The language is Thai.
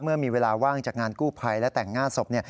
เมื่อมีเวลาว่างจากงานกู้ภัยและแต่งหน้าศพ